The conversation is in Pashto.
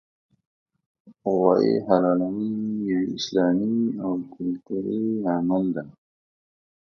غوايي حلالول یو اسلامي او کلتوري عمل دی